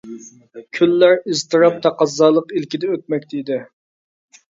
كۈنلەر ئىزتىراپ، تەقەززالىق ئىلكىدە ئۆتمەكتە ئىدى.